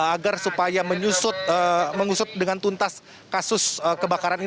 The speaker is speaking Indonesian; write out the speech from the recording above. agar supaya mengusut dengan tuntas kasus kebakaran ini